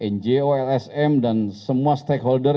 njolsm dan semua stakeholder